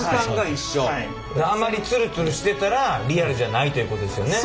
あまりツルツルしてたらリアルじゃないということですよね？